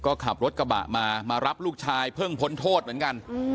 ก็ขับรถกระบะมามารับลูกชายเพิ่งพ้นโทษเหมือนกัน